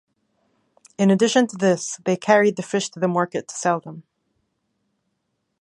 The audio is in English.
In addition to this, they carried the fish to the market to sell them.